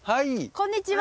こんにちは！